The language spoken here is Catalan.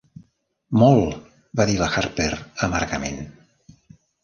"Molt", va dir la Harper amargament.